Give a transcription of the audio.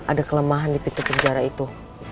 ada kelemahan di pintu penjara itu